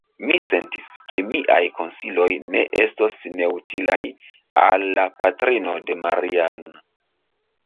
Mi sentis, ke miaj konsiloj ne estos neutilaj al la patrino de Maria-Ann.